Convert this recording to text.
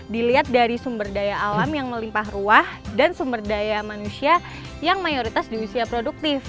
dilihat dari sumber daya alam yang melimpah ruah dan sumber daya manusia yang mayoritas di usia produktif